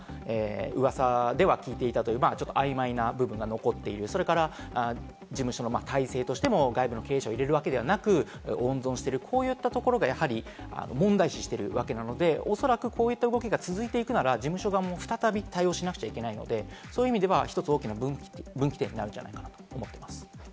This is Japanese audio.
うわさでは聞いていたという曖昧な部分が残っている、それから事務所の体制としても外部の経営者を入れるわけではなく、温存している、こういったところが問題視しているわけなので、おそらくこういった動きが続いていくなら事務所側も再び対応しなくちゃいけないので、そういう意味では１つ大きな分岐点になるんじゃないかと思います。